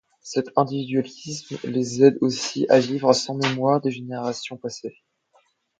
Cet individualisme les aide aussi à vivre sans mémoire des générations passées.